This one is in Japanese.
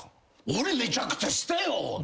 俺めちゃくちゃしたよ。